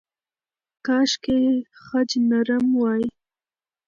کاشکې خج نرم وای.